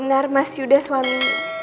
ntar mas yuda suami